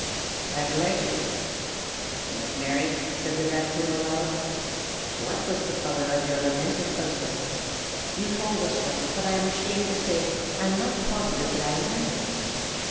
At length "Miss Mary," said the raccoon aloud, "what was the color of your lamented husband? You told us once, but I am ashamed to say I'm not positive that I remember."